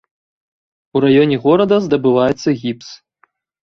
У раёне горада здабываецца гіпс.